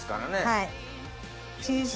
はい。